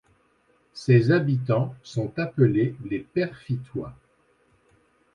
Ses habitants sont appelés les Peyrefittois.